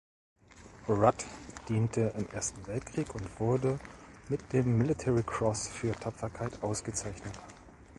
Rudd diente im Ersten Weltkrieg und wurde mit dem Military Cross für Tapferkeit ausgezeichnet.